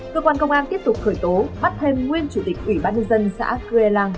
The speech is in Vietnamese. cơ quan công an tiếp tục khởi tố bắt thêm nguyên chủ tịch ủy ban nhân dân xã cư elang